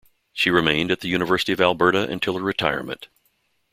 She remained at the University of Alberta until her retirement.